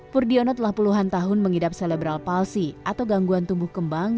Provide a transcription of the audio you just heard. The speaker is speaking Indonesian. pur diono telah puluhan tahun mengidap selebral palsi atau gangguan tumbuh kembang